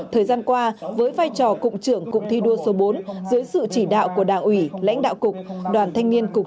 thời gian qua với vai trò cục trưởng cục thi đua số bốn dưới sự chỉ đạo của đảng ủy lãnh đạo cục